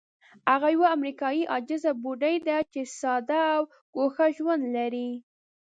هغه یوه امریکایي عاجزه بوډۍ ده چې ساده او ګوښه ژوند لري.